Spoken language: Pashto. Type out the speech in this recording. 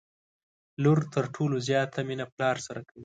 لور تر ټولو زياته مينه پلار سره کوي